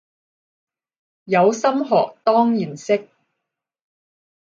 有心學當然識